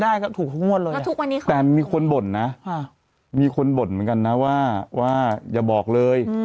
แล้วก็ได้ถูกทั้งหมดเลยอะแต่มีคนบ่นนะมีคนบ่นเหมือนกันนะว่าอย่าบอกเลย